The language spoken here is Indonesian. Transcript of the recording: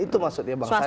itu maksudnya bang sandi